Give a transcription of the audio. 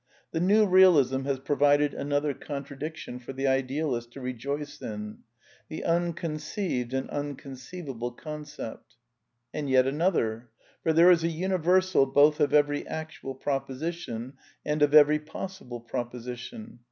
f ^\ The New Eealism has provided agfltbtti^contradictioilv^kj ) for the idealist to rejoice in — t he u nconceived and un conceivable concept. "*', And yet anotB& . For there is a universal, both of every actual proposition and of every possible proposition.